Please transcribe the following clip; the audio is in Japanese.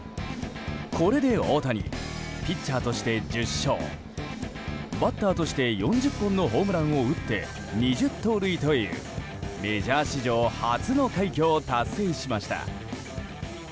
これで大谷ピッチャーとして１０勝バッターとして４０本のホームランを打って２０盗塁というメジャー史上初の快挙を達成しました。